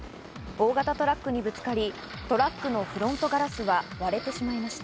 大型トラックにぶつかりトラックのフロントガラスが割れてしまいました。